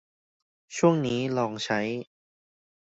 ช่วงนี้ลองใช้